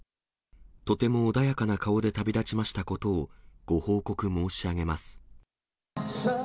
とても穏やかな顔で旅立ちましたことを、ご報告申し上げます。